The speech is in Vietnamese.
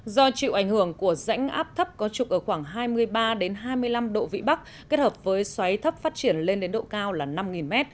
do chịu ảnh hưởng của rãnh áp thấp có trục ở khoảng hai mươi ba hai mươi năm độ vĩ bắc kết hợp với xoáy thấp phát triển lên đến độ cao là năm m